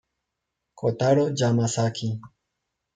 Kotaro Yamazaki